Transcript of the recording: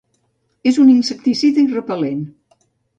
És un insecticida i repel·lent.